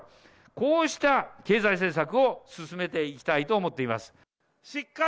こうした経済政策を進めていきたいと思っています。